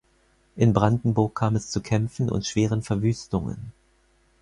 In Brandenburg kam es zu Kämpfen und schweren Verwüstungen.